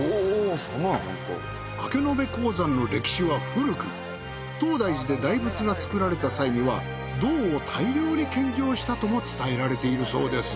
明延鉱山の歴史は古く東大寺で大仏が作られた際には銅を大量に献上したとも伝えられているそうです。